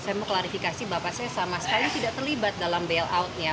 saya mau klarifikasi bapak saya sama sekali tidak terlibat dalam bailout ya